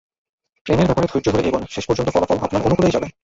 প্রেমের ব্যাপারে ধৈর্য ধরে এগোন, শেষ পর্যন্ত ফলাফল আপনার অনুকূলেই যাবে।